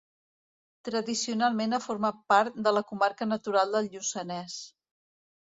Tradicionalment ha format part de la comarca natural del Lluçanès.